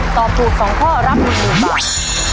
ตอบถูก๒ข้อรับ๑๐๐๐บาท